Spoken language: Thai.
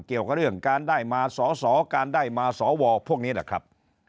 เกี่ยวกับเรื่องการได้มาสอสอการได้มาสวพวกนี้แหละครับ